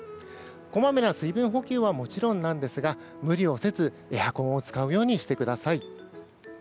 こまめな水分補給はもちろんなんですが無理をせず、エアコンを使うようにしてください。